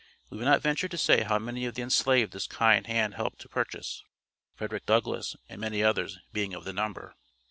We would not venture to say how many of the enslaved this kind hand helped to purchase (Frederick Douglass and many others, being of the number.)